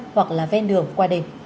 hoặc là ven đường qua đề